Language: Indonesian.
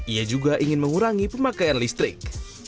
ia juga ingin mengurangi pemakaian listrik